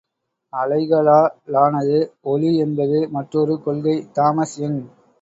அலைகளாலானது ஒளி என்பது மற்றொரு கொள்கை தாமஸ் யெங்.